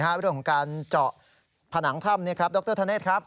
ไปดูของการเจาะผนังถ้ำนี้ครับดรธเนทครับ